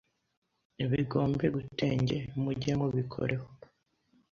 begombe gutenge, mujye mubikoreho